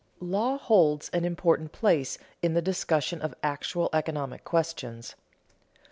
_ Law holds an important place in the discussion of actual economic questions.